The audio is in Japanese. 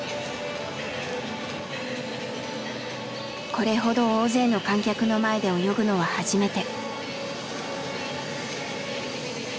これほど大勢の観客の前で泳ぐのは初めて。